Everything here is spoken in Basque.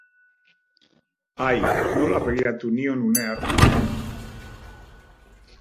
Ai, nola begiratu nion une hartan!